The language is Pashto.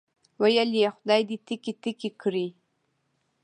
ویل یې خدای دې تیکې تیکې کړي.